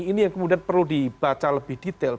ini yang kemudian perlu dibaca lebih detail